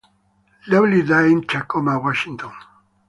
Lovely died in Tacoma, Washington.